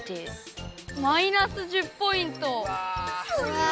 うわ！